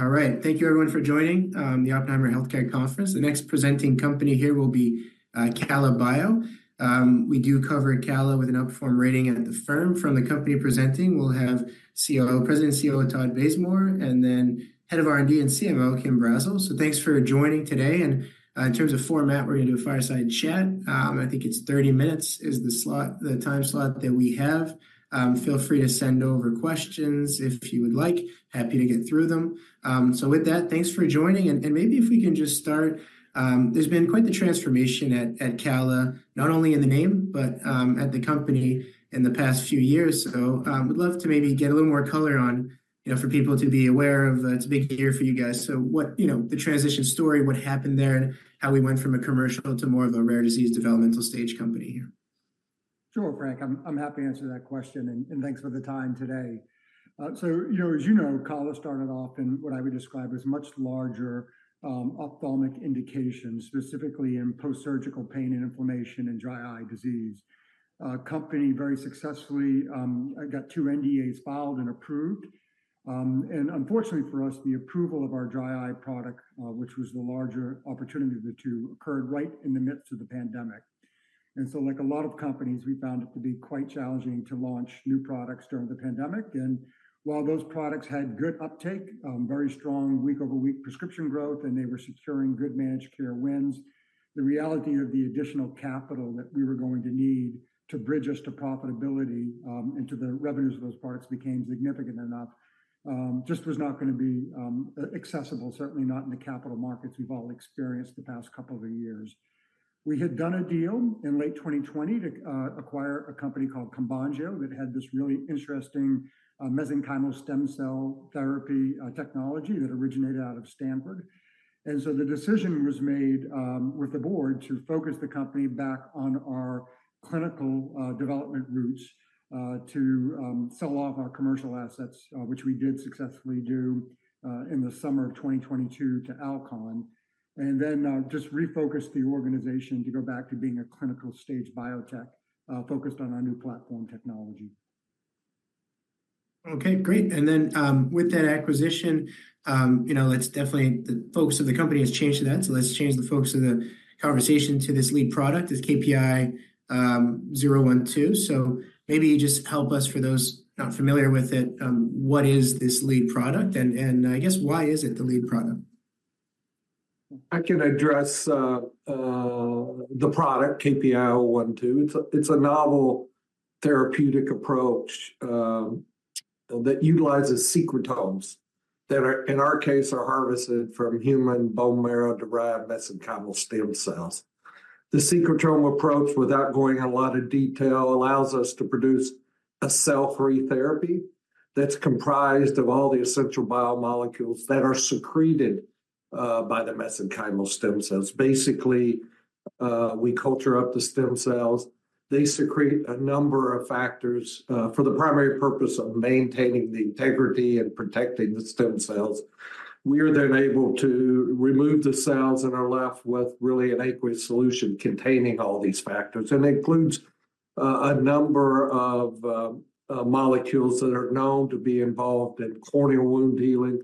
All right. Thank you, everyone, for joining the Oppenheimer Healthcare Conference. The next presenting company here will be KALA BIO. We do cover KALA with an outperform rating at the firm. From the company presenting, we'll have President and COO Todd Bazemore, and then Head of R&D and CMO Kim Brazzell. So thanks for joining today. In terms of format, we're gonna do a fireside chat. I think it's 30 min is the slot, the time slot that we have. Feel free to send over questions if you would like. Happy to get through them. So with that, thanks for joining. And maybe if we can just start, there's been quite the transformation at KALA, not only in the name, but at the company in the past few years. So, we'd love to maybe get a little more color on, you know, for people to be aware of, it's a big year for you guys. So what, you know, the transition story, what happened there, and how we went from a commercial to more of a rare disease developmental stage company here? Sure, Frank. I'm, I'm happy to answer that question, and, and thanks for the time today. So, you know, as you know, KALA started off in what I would describe as much larger ophthalmic indications, specifically in post-surgical pain and inflammation and dry eye disease. Company very successfully got two NDAs filed and approved. And unfortunately for us, the approval of our dry eye product, which was the larger opportunity of the two, occurred right in the midst of the pandemic. And so, like a lot of companies, we found it to be quite challenging to launch new products during the pandemic. And while those products had good uptake, very strong week-over-week prescription growth, and they were securing good managed care wins, the reality of the additional capital that we were going to need to bridge us to profitability, and to the revenues of those products became significant enough, just was not gonna be accessible, certainly not in the capital markets we've all experienced the past couple of years. We had done a deal in late 2020 to acquire a company called Combangio that had this really interesting mesenchymal stem cell therapy technology that originated out of Stanford. And so the decision was made, with the board to focus the company back on our clinical development routes, to sell off our commercial assets, which we did successfully do, in the summer of 2022 to Alcon. And then, just refocus the organization to go back to being a clinical stage biotech, focused on our new platform technology. Okay, great. And then, with that acquisition, you know, let's definitely the focus of the company has changed to that. So let's change the focus of the conversation to this lead product. It's KPI-012. So maybe just help us for those not familiar with it, what is this lead product? And, and I guess, why is it the lead product? I can address the product KPI-012. It's a novel therapeutic approach that utilizes secretomes that are, in our case, harvested from human bone marrow-derived mesenchymal stem cells. The secretome approach, without going in a lot of detail, allows us to produce a cell-free therapy that's comprised of all the essential biomolecules that are secreted by the mesenchymal stem cells. Basically, we culture up the stem cells. They secrete a number of factors for the primary purpose of maintaining the integrity and protecting the stem cells. We are then able to remove the cells and are left with really an aqueous solution containing all these factors. It includes a number of molecules that are known to be involved in corneal wound healing,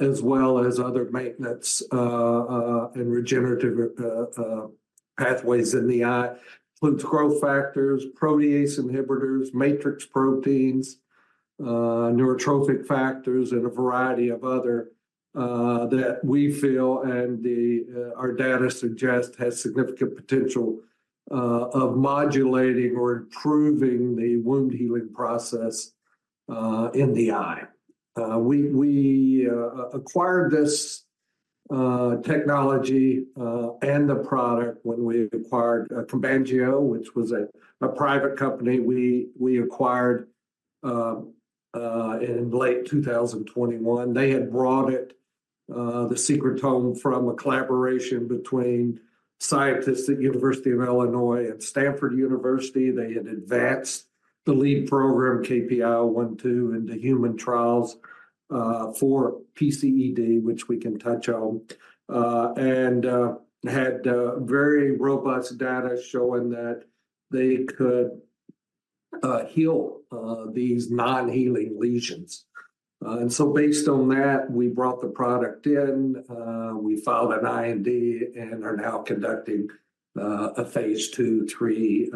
as well as other maintenance and regenerative pathways in the eye. It includes growth factors, protease inhibitors, matrix proteins, neurotrophic factors, and a variety of other that we feel our data suggests has significant potential of modulating or improving the wound healing process in the eye. We acquired this technology and the product when we acquired Combangio, which was a private company. We acquired in late 2021. They had brought the secretome from a collaboration between scientists at the University of Illinois and Stanford University. They had advanced the lead program KPI-012 into human trials for PCED, which we can touch on, and had very robust data showing that they could heal these non-healing lesions. Based on that, we brought the product in, we filed an IND, and are now conducting a phase II/III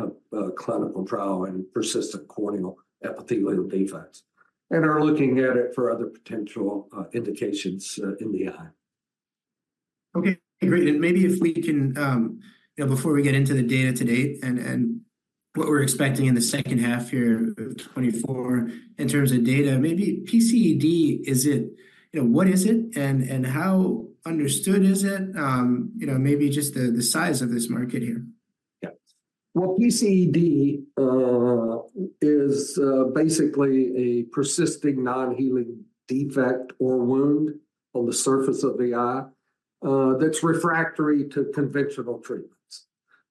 clinical trial in persistent corneal epithelial defects, and are looking at it for other potential indications in the eye. Okay, great. Maybe if we can, you know, before we get into the data to date and what we're expecting in the second half here of 2024 in terms of data, maybe PCED, is it, you know, what is it, and how understood is it? You know, maybe just the size of this market here. Yeah. Well, PCED is basically a persisting non-healing defect or wound on the surface of the eye, that's refractory to conventional treatments.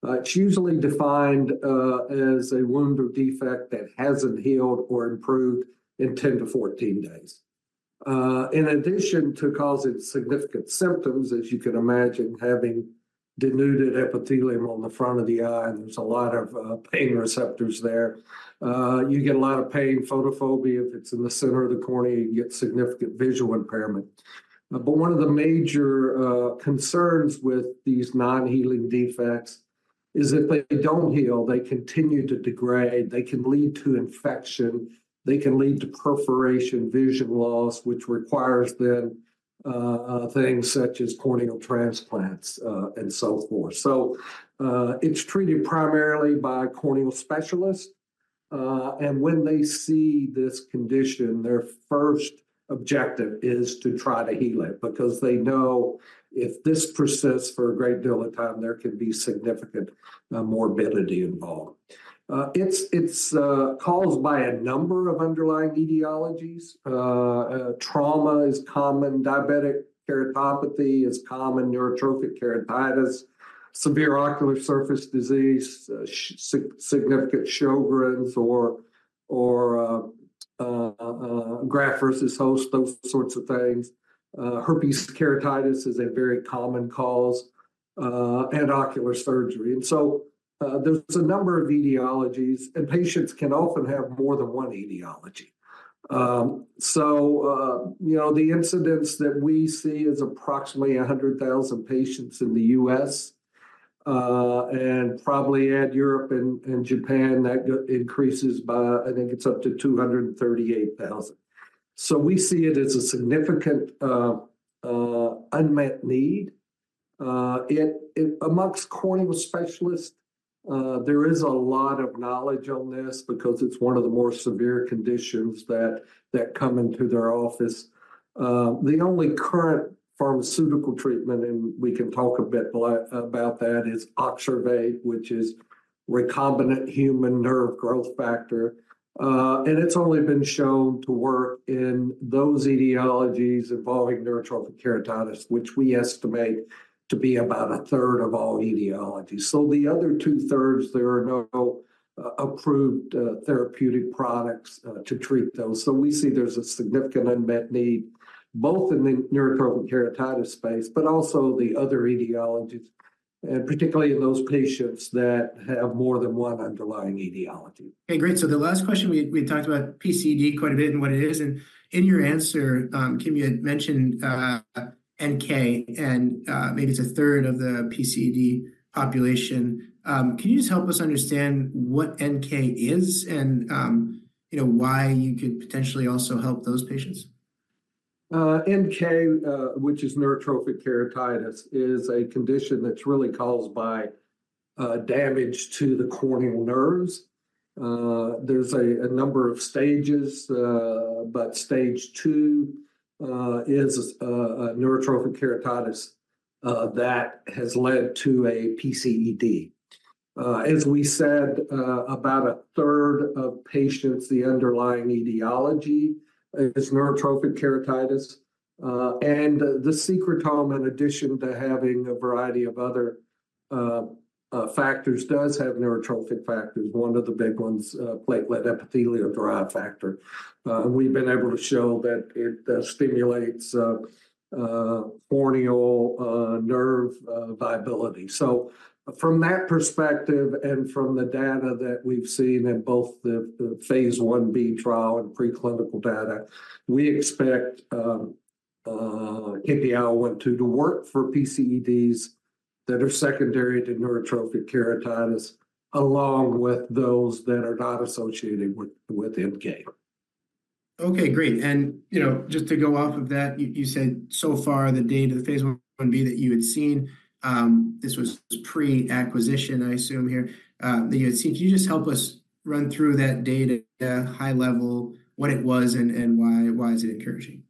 It's usually defined as a wound or defect that hasn't healed or improved in 10-14 days. In addition to causing significant symptoms, as you can imagine, having denuded epithelium on the front of the eye, and there's a lot of pain receptors there, you get a lot of pain, photophobia. If it's in the center of the cornea, you get significant visual impairment. But one of the major concerns with these non-healing defects is if they don't heal, they continue to degrade. They can lead to infection. They can lead to perforation, vision loss, which requires then things such as corneal transplants, and so forth. So, it's treated primarily by corneal specialists. When they see this condition, their first objective is to try to heal it, because they know if this persists for a great deal of time, there can be significant morbidity involved. It's caused by a number of underlying etiologies. Trauma is common. Diabetic keratopathy is common. Neurotrophic keratitis, severe ocular surface disease, significant Sjögren's, or graft versus host, those sorts of things. Herpes keratitis is a very common cause, and ocular surgery. And so, there's a number of etiologies, and patients can often have more than one etiology. So, you know, the incidence that we see is approximately 100,000 patients in the U.S., and probably in Europe and Japan, that increases by, I think it's up to 238,000. So we see it as a significant unmet need. It amongst corneal specialists. There is a lot of knowledge on this, because it's one of the more severe conditions that come into their office. The only current pharmaceutical treatment, and we can talk a bit about that, is OXERVATE, which is recombinant human nerve growth factor. And it's only been shown to work in those etiologies involving neurotrophic keratitis, which we estimate to be about a third of all etiologies. So the other two thirds, there are no approved therapeutic products to treat those. So we see there's a significant unmet need both in the neurotrophic keratitis space, but also the other etiologies, and particularly in those patients that have more than one underlying etiology. Okay, great. So the last question we talked about PCED quite a bit and what it is. And in your answer, Kim, you had mentioned NK, and maybe it's a third of the PCED population. Can you just help us understand what NK is, and, you know, why you could potentially also help those patients? NK, which is neurotrophic keratitis, is a condition that's really caused by damage to the corneal nerves. There's a number of stages, but stage two is a neurotrophic keratitis that has led to a PCED. As we said, about a third of patients, the underlying etiology is neurotrophic keratitis. And the secretome, in addition to having a variety of other factors, does have neurotrophic factors. One of the big ones, [platelet] epithelial-derived factor. And we've been able to show that it stimulates corneal nerve viability. So from that perspective, and from the data that we've seen in both the phase Ib trial and preclinical data, we expect KPI-012 to work for PCEDs that are secondary to neurotrophic keratitis, along with those that are not associated with NK. Okay, great. And you know, just to go off of that, you said so far the data, the phase 1b that you had seen. This was pre-acquisition, I assume here. Can you just help us run through that data high level, what it was, and why is it encouraging?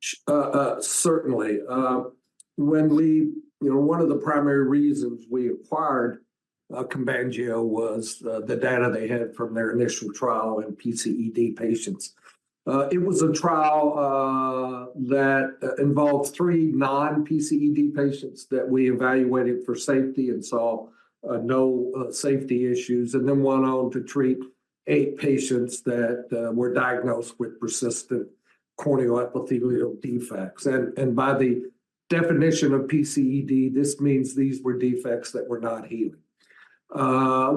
Certainly. When we, you know, one of the primary reasons we acquired Combangio was the data they had from their initial trial in PCED patients. It was a trial that involved three non-PCED patients that we evaluated for safety and saw no safety issues, and then went on to treat eight patients that were diagnosed with persistent corneal epithelial defects. And by the definition of PCED, this means these were defects that were not healing.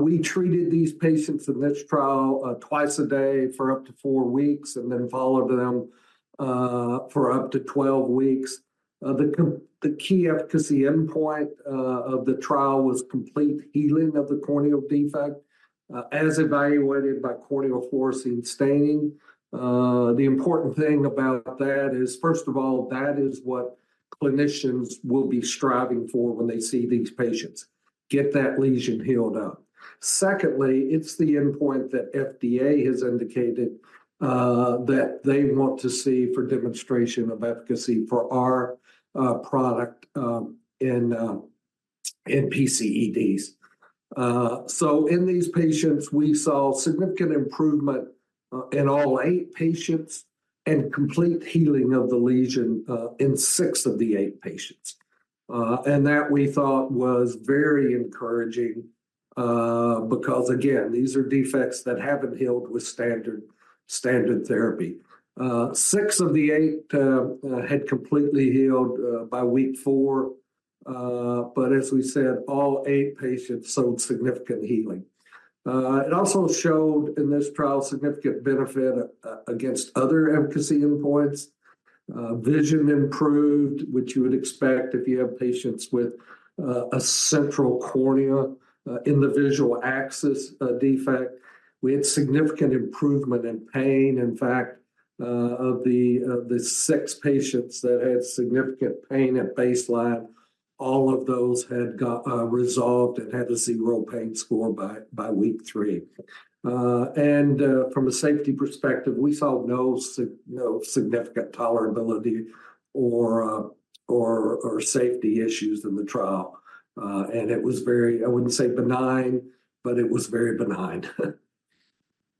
We treated these patients in this trial twice a day for up to four weeks, and then followed them for up to 12 weeks. The key efficacy endpoint of the trial was complete healing of the corneal defect, as evaluated by corneal fluorescein staining. The important thing about that is, first of all, that is what clinicians will be striving for when they see these patients: get that lesion healed up. Secondly, it's the endpoint that FDA has indicated that they want to see for demonstration of efficacy for our product in PCEDs. So in these patients, we saw significant improvement in all eight patients and complete healing of the lesion in six of the eight patients. And that we thought was very encouraging, because again, these are defects that haven't healed with standard therapy. Six of the eight had completely healed by week four. But as we said, all eight patients showed significant healing. It also showed in this trial significant benefit against other efficacy endpoints. Vision improved, which you would expect if you have patients with a central cornea in the visual axis defect. We had significant improvement in pain. In fact, of the six patients that had significant pain at baseline, all of those had resolved and had a 0 pain score by week three. From a safety perspective, we saw no significant tolerability or safety issues in the trial. It was very, I wouldn't say benign, but it was very benign.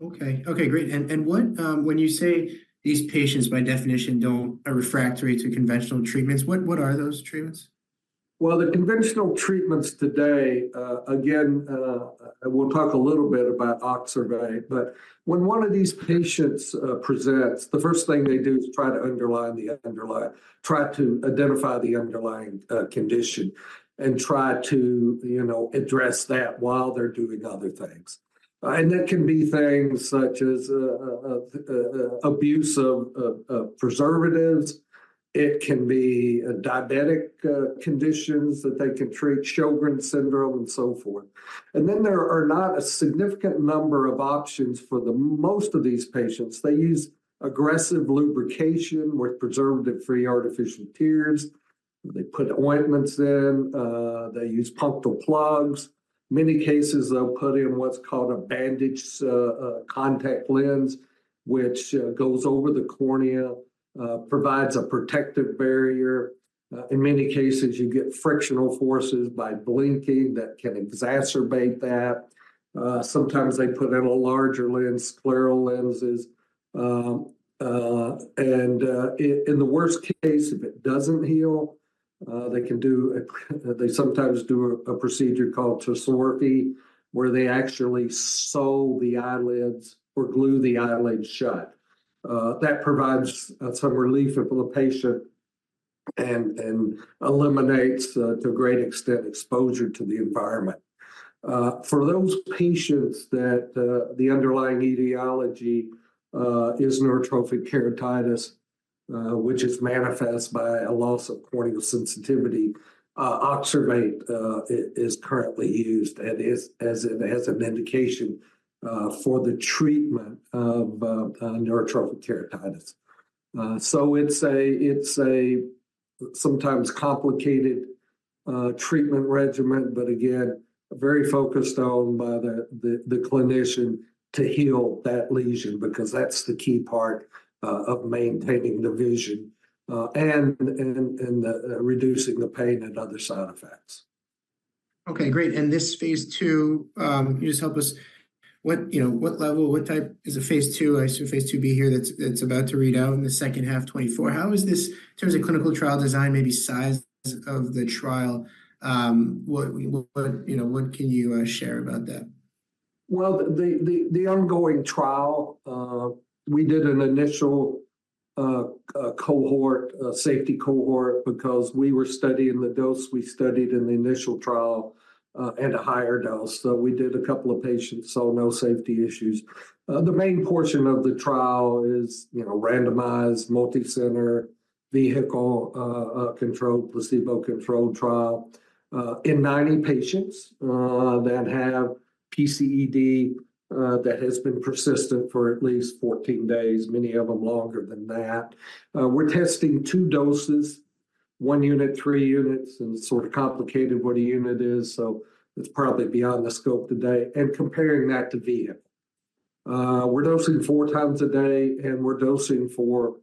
Okay, okay, great. And what, when you say these patients, by definition, don't refractory to conventional treatments, what are those treatments? Well, the conventional treatments today, again, we'll talk a little bit about OXERVATE. But when one of these patients presents, the first thing they do is try to identify the underlying condition, and try to, you know, address that while they're doing other things. That can be things such as abuse of preservatives. It can be diabetic conditions that they can treat, Sjögren's syndrome, and so forth. Then there are not a significant number of options for most of these patients. They use aggressive lubrication with preservative-free artificial tears. They put ointments in. They use punctal plugs. Many cases, they'll put in what's called a bandage contact lens, which goes over the cornea, provides a protective barrier. In many cases, you get frictional forces by blinking that can exacerbate that. Sometimes they put in a larger lens, scleral lenses. In the worst case, if it doesn't heal, they sometimes do a procedure called tarsorrhaphy, where they actually sew the eyelids or glue the eyelids shut. That provides some relief for the patient and eliminates, to a great extent, exposure to the environment. For those patients that the underlying etiology is neurotrophic keratitis, which is manifest by a loss of corneal sensitivity, OXERVATE is currently used, and as it has an indication for the treatment of neurotrophic keratitis. So it's a sometimes complicated treatment regimen, but again, very focused on by the clinician to heal that lesion, because that's the key part of maintaining the vision and reducing the pain and other side effects. Okay, great. And this phase II, can you just help us? What, you know, what level, what type is a phase II? I assume phase IIb here that's about to read out in the second half, 2024. How is this, in terms of clinical trial design, maybe size of the trial? What, you know, what can you share about that? Well, the ongoing trial, we did an initial cohort, safety cohort, because we were studying the dose we studied in the initial trial, and a higher dose. So we did a couple of patients, so no safety issues. The main portion of the trial is, you know, randomized, multicenter, vehicle controlled, placebo controlled trial, in 90 patients, that have PCED, that has been persistent for at least 14 days, many of them longer than that. We're testing two doses, one unit, three units, and sort of complicated what a unit is. So it's probably beyond the scope today, and comparing that to vehicle. We're dosing 4x a day, and we're dosing for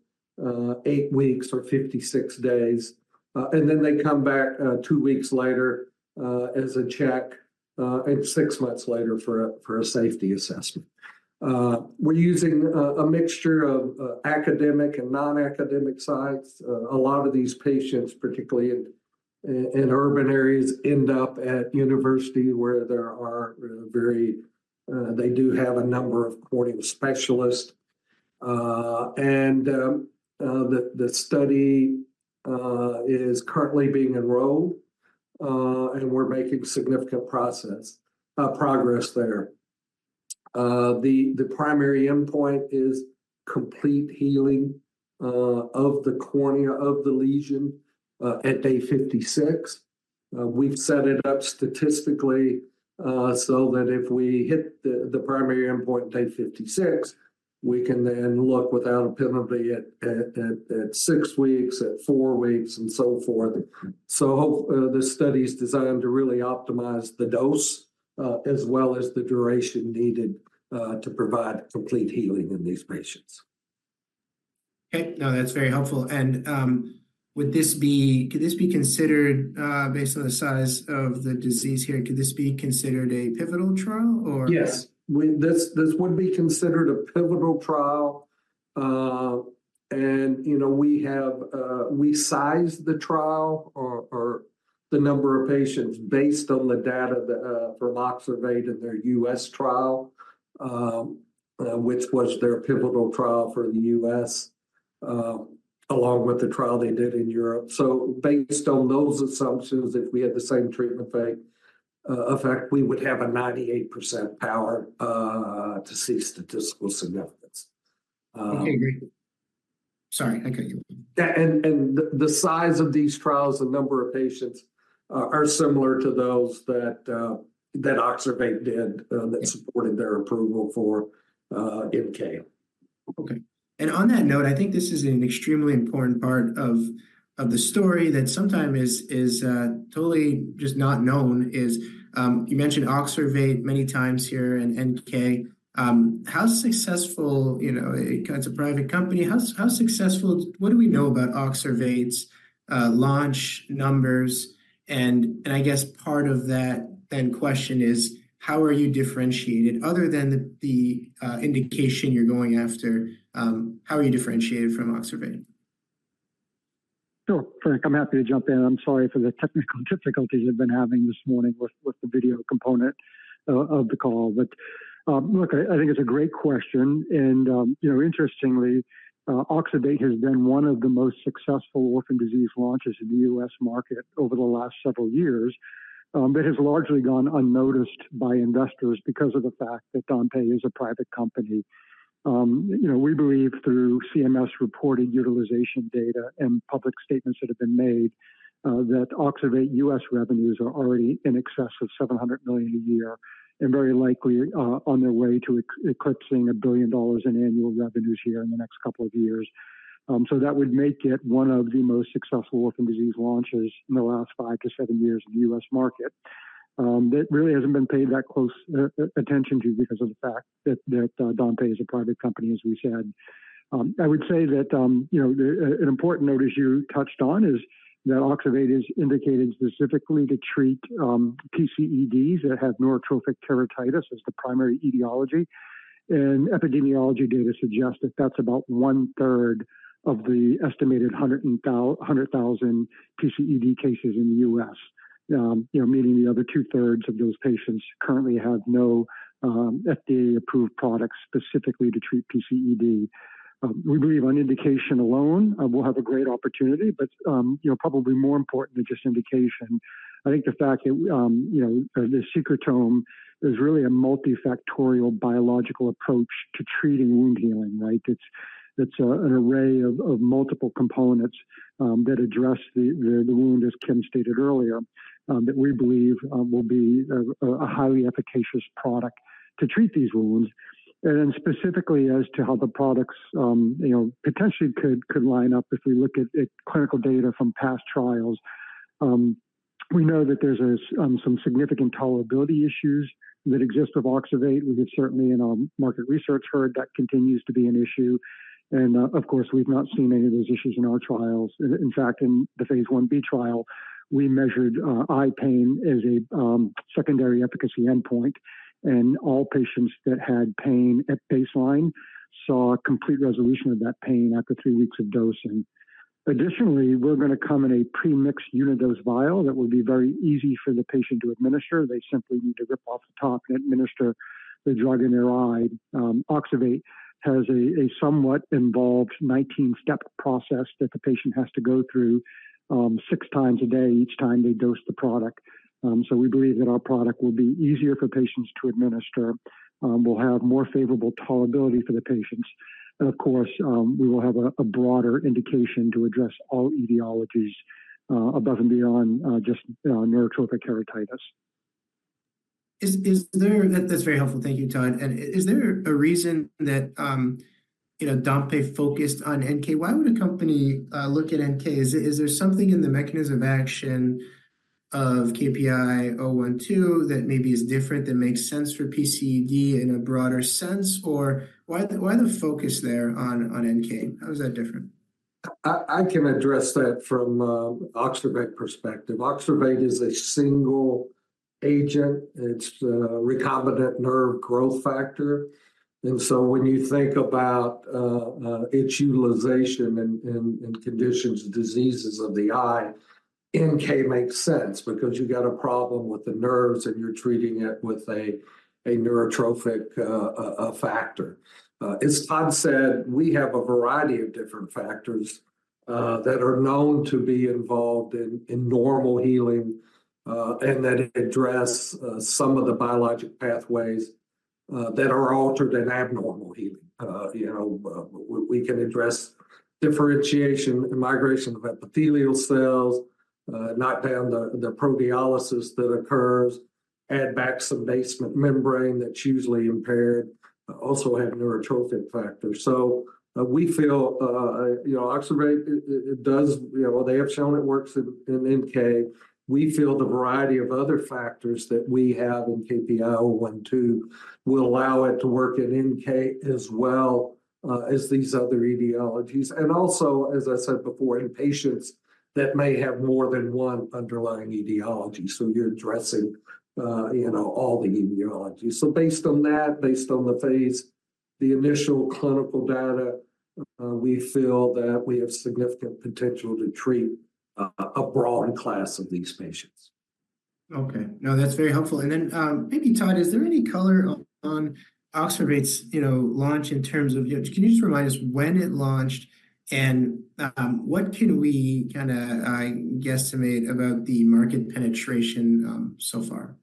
eight weeks or 56 days. And then they come back two weeks later, as a check, and six months later for a safety assessment. We're using a mixture of academic and non-academic sites. A lot of these patients, particularly in urban areas, end up at university, where there are very. They do have a number of corneal specialists. The study is currently being enrolled. We're making significant progress there. The primary endpoint is complete healing of the cornea of the lesion at day 56. We've set it up statistically, so that if we hit the primary endpoint day 56, we can then look without a penalty at six weeks, at four weeks, and so forth. This study is designed to really optimize the dose, as well as the duration needed, to provide complete healing in these patients. Okay, no, that's very helpful. Would this be, could this be considered, based on the size of the disease here? Could this be considered a pivotal trial, or? Yes, we this would be considered a pivotal trial. And you know, we have, we size the trial or the number of patients based on the data that, from OXERVATE in their U.S. trial, which was their pivotal trial for the U.S., along with the trial they did in Europe. So based on those assumptions, if we had the same treatment effect, we would have a 98% power to see statistical significance. Okay, great. Sorry, I cut you off. Yeah, and the size of these trials, the number of patients, are similar to those that OXERVATE did, that supported their approval for NK. Okay. And on that note, I think this is an extremely important part of the story that sometimes is totally just not known, is you mentioned OXERVATE many times here and NK. How successful, you know, it kind of it's a private company. How successful? What do we know about OXERVATE's launch numbers? And I guess part of that then question is, how are you differentiated other than the indication you're going after? How are you differentiated from OXERVATE? Sure. Sorry, I'm happy to jump in. I'm sorry for the technical difficulties I've been having this morning with the video component of the call. But, look, I think it's a great question. And, you know, interestingly, OXERVATE has been one of the most successful orphan disease launches in the U.S. market over the last several years. It has largely gone unnoticed by investors because of the fact that Dompé is a private company. You know, we believe through CMS reported utilization data and public statements that have been made, that OXERVATE U.S. revenues are already in excess of $700 million a year, and very likely, on their way to eclipsing $1 billion in annual revenues here in the next couple of years. So that would make it one of the most successful orphan disease launches in the last five-seven years in the U.S. market. That really hasn't been paid that close attention to because of the fact that that Dompé is a private company, as we said. I would say that, you know, an important note as you touched on is that OXERVATE is indicated specifically to treat PCEDs that have neurotrophic keratitis as the primary etiology. And epidemiology data suggests that that's about one-third of the estimated 100,000 PCED cases in the U.S.. You know, meaning the other two-thirds of those patients currently have no FDA-approved products specifically to treat PCED. We believe on indication alone, we'll have a great opportunity. But, you know, probably more important than just indication. I think the fact that, you know, the secretome is really a multifactorial biological approach to treating wound healing, right? It's an array of multiple components, that address the wound, as Kim stated earlier, that we believe, will be a highly efficacious product to treat these wounds. And then specifically as to how the products, you know, potentially could line up if we look at clinical data from past trials. We know that there's some significant tolerability issues that exist with OXERVATE. We have certainly in our market research heard that continues to be an issue. And, of course, we've not seen any of those issues in our trials. In fact, in the phase 1b trial, we measured eye pain as a secondary efficacy endpoint. All patients that had pain at baseline saw complete resolution of that pain after three weeks of dosing. Additionally, we're going to come in a premixed unidose vial that will be very easy for the patient to administer. They simply need to rip off the top and administer the drug in their eye. OXERVATE has a somewhat involved 19-step process that the patient has to go through, 6x a day each time they dose the product. We believe that our product will be easier for patients to administer. We'll have more favorable tolerability for the patients. And of course, we will have a broader indication to address all etiologies, above and beyond, just, Neurotrophic Keratitis. That's very helpful. Thank you, Todd. Is there a reason that, you know, Dompé focused on NK? Why would a company look at NK? Is there something in the mechanism of action of KPI-012 that maybe is different that makes sense for PCED in a broader sense, or why the focus there on NK? How is that different? I can address that from OXERVATE perspective. OXERVATE is a single agent. It's a recombinant nerve growth factor. And so when you think about its utilization in conditions of diseases of the eye, NK makes sense, because you got a problem with the nerves, and you're treating it with a neurotrophic factor. As Todd said, we have a variety of different factors that are known to be involved in normal healing, and that address some of the biologic pathways that are altered in abnormal healing. You know, we can address differentiation and migration of epithelial cells, knock down the proteolysis that occurs, add back some basement membrane that's usually impaired, also have neurotrophic factors. So, we feel, you know, OXERVATE it does, you know, they have shown it works in NK. We feel the variety of other factors that we have in KPI-012 will allow it to work in NK as well, as these other etiologies. And also, as I said before, in patients that may have more than one underlying etiology. So you're addressing, you know, all the etiologies. So based on that, based on the phase, the initial clinical data, we feel that we have significant potential to treat a broad class of these patients. Okay, no, that's very helpful. And then, maybe, Todd, is there any color on OXERVATE's, you know, launch in terms of, you know, can you just remind us when it launched? And, what can we kind of, guesstimate about the market penetration, so far?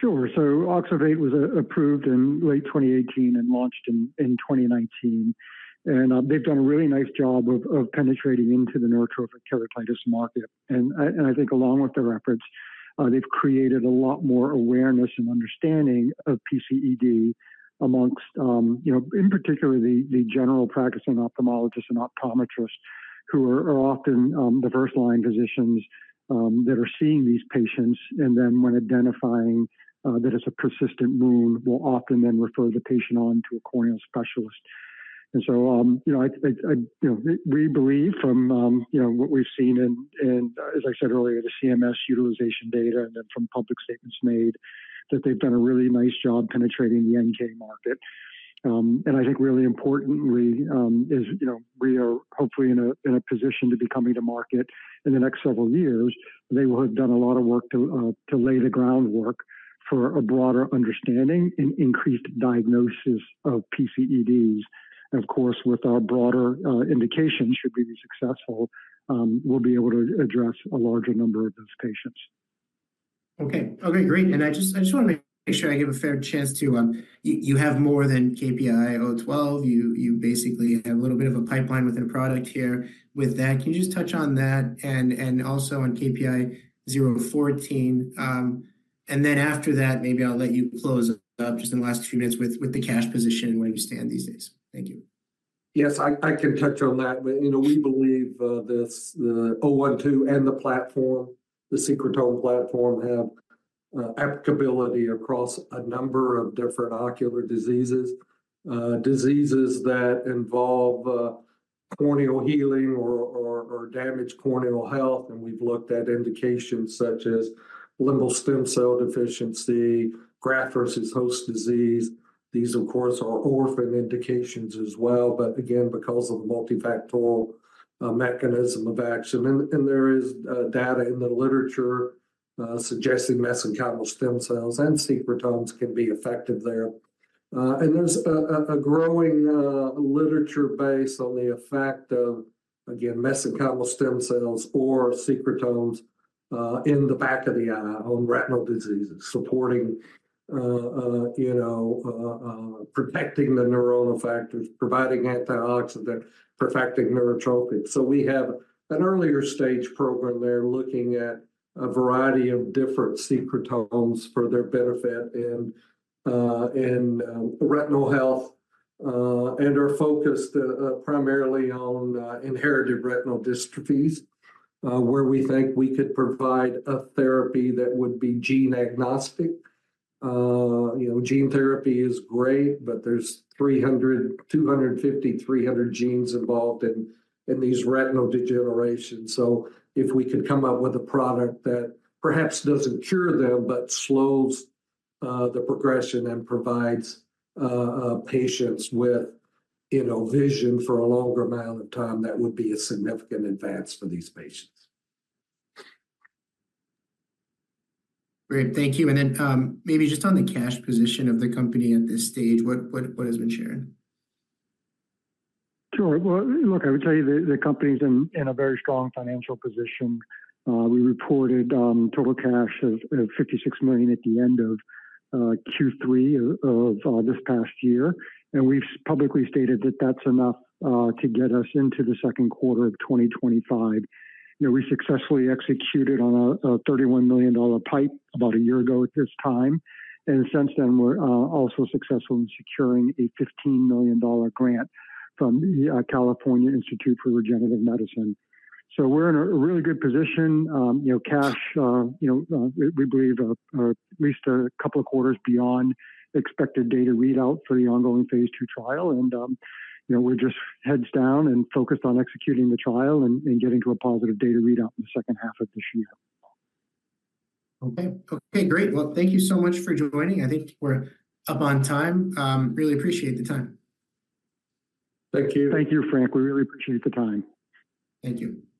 Sure. So OXERVATE was approved in late 2018 and launched in 2019. And, they've done a really nice job of penetrating into the neurotrophic keratitis market. And I think, along with the reference, they've created a lot more awareness and understanding of PCED amongst, you know, in particular, the general practicing ophthalmologists and optometrists who are often, the first line physicians, that are seeing these patients, and then when identifying, that it's a persistent wound, will often then refer the patient on to a corneal specialist. And so, you know, I you know, we believe from, you know, what we've seen in, as I said earlier, the CMS utilization data, and then from public statements made, that they've done a really nice job penetrating the NK market. I think, really importantly, is, you know, we are hopefully in a position to be coming to market in the next several years. They will have done a lot of work to lay the groundwork for a broader understanding and increased diagnosis of PCEDs. And of course, with our broader indication, should we be successful, we'll be able to address a larger number of those patients. Okay, okay, great. And I just want to make sure I give a fair chance to, you have more than KPI-012. You basically have a little bit of a pipeline within a product here with that. Can you just touch on that and also on KPI-014? And then after that, maybe I'll let you close up just in the last few minutes with the cash position and where you stand these days. Thank you. Yes, I can touch on that. But you know, we believe the KPI-012 and the platform, the secretome platform, have applicability across a number of different ocular diseases, diseases that involve corneal healing or damaged corneal health. And we've looked at indications such as limbal stem cell deficiency, graft versus host disease. These, of course, are orphan indications as well. But again, because of the multifactorial mechanism of action, and there is data in the literature suggesting mesenchymal stem cells and secretomes can be effective there. And there's a growing literature base on the effect of, again, mesenchymal stem cells or secretomes, in the back of the eye on retinal diseases, supporting, you know, protecting the neuronal factors, providing antioxidant, protecting neurotrophic. So we have an earlier stage program there looking at a variety of different secretomes for their benefit and retinal health, and are focused primarily on inherited retinal dystrophies, where we think we could provide a therapy that would be gene agnostic. You know, gene therapy is great, but there's 300, 250, 300 genes involved in these retinal degenerations. So if we could come up with a product that perhaps doesn't cure them, but slows the progression and provides patients with, you know, vision for a longer amount of time, that would be a significant advance for these patients. Great. Thank you. And then, maybe just on the cash position of the company at this stage, what has been shared? Sure. Well, look, I would tell you the company's in a very strong financial position. We reported total cash of $56 million at the end of Q3 of this past year. And we've publicly stated that that's enough to get us into the second quarter of 2025. You know, we successfully executed on a $31 million PIPE about a year ago at this time. And since then, we're also successful in securing a $15 million grant from the California Institute for Regenerative Medicine. So we're in a really good position. You know, cash, you know, we believe at least a couple of quarters beyond expected data readout for the ongoing phase II trial. And you know, we're just heads down and focused on executing the trial and getting to a positive data readout in the second half of this year. Okay, okay, great. Well, thank you so much for joining. I think we're up on time. Really appreciate the time. Thank you. Thank you, Frank. We really appreciate the time. Thank you.